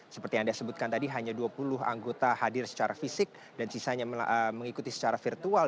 seperti yang anda sebutkan tadi hanya dua puluh anggota hadir secara fisik dan sisanya mengikuti secara virtual